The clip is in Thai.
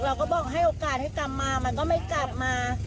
เราก็บอกให้โอกาสให้กลับมามันก็ไม่กลับมา